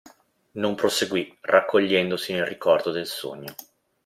Non proseguì, raccogliendosi nel ricordo del sogno;